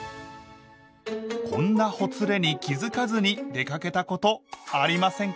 こんなほつれに気付かずに出かけたことありませんか？